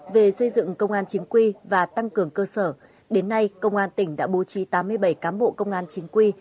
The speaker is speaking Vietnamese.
về xây dựng công an chính quy và tăng cường cơ sở đến nay công an tỉnh đã bố trí tám mươi bảy cán bộ công an chính quy